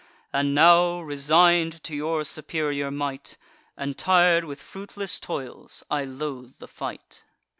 And now, resign'd to your superior might, And tir'd with fruitless toils, I loathe the fight.